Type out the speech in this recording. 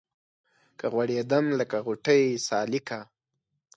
که غوړېدم لکه غوټۍ سالکه